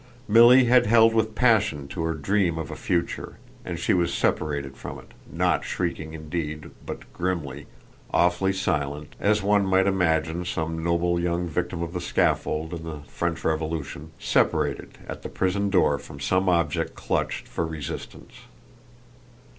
Milly had held with passion to her dream of a future, and she was separated from it, not shrieking indeed, but grimly, awfully silent, as one might imagine some noble young victim of the scaffold, in the French Revolution, separated at the prison door from some object clutched for resistance.